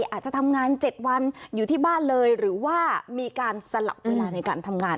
อาจจะทำงาน๗วันอยู่ที่บ้านเลยหรือว่ามีการสลับเวลาในการทำงาน